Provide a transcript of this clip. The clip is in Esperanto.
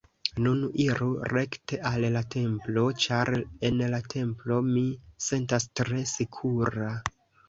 Nun, iru rekte al la templo, ĉar en la templo, mi sentas tre sekura.